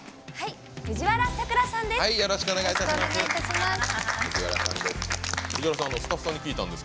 藤原さくらさんです。